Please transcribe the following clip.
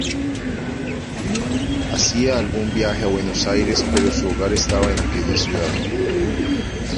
Hacía algún viaje a Buenos Aires, pero su hogar estaba en aquella ciudad.